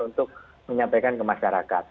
untuk menyampaikan ke masyarakat